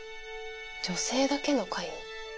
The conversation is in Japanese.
女性だけの会。